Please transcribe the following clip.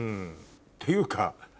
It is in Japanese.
っていうか。